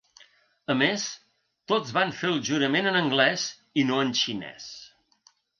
A més, tots van fer el jurament en anglès i no en xinès.